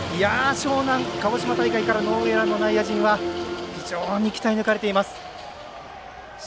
樟南、鹿児島大会からノーエラーの内野陣は非常に鍛え抜かれています。